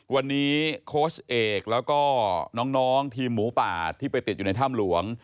วันนี้โค้ชเอกแล้วก็น้องทีมหมูป่าที่ไปติดอยู่ในถ้ำหลวง